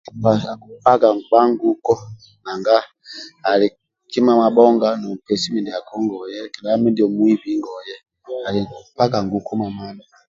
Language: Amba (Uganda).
Akimpaga nkpa nguko nanga ali kima mabhonga nompesi mindiako ngoye kedha mindia omwibi ngoye, akipaga nguko mamadha